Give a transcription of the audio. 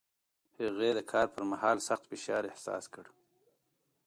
هغې د کار پر مهال سخت فشار احساس کړ.